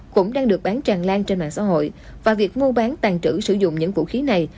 cũng đang được bán tràn lan trên mạng xã hội và việc mua bán tàn trữ sử dụng những vũ khí này